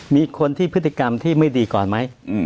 มีคนที่พฤติกรรมที่ไม่ดีก่อนไหม